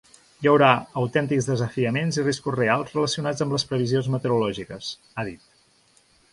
Hi haurà autèntics desafiaments i riscos reals relacionats amb les previsions meteorològiques, ha dit.